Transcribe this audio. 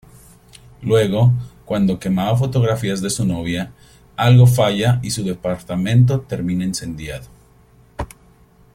Luego, cuando quemaba fotografías de su novia, algo falla y su departamento termina incendiado.